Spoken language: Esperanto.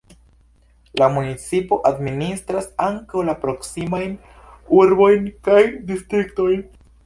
La municipo administras ankaŭ la proksimajn urbojn kaj distriktojn.